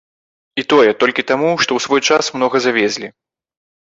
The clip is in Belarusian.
І тое толькі таму, што ў свой час многа завезлі.